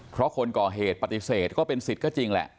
เพราะคนก่อเหตุปฏิเสธก็เป็นสิทธิ์ก็จริงแหละ